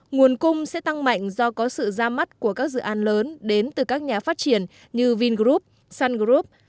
nguồn cung sẽ tăng mạnh do có sự ra mắt của các dự án lớn đến từ các nhà phát triển như vingroup sun group